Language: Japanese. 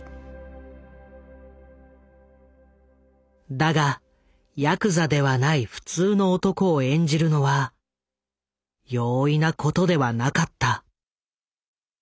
だがヤクザではない普通の男を演じるのは容易なことではなかった。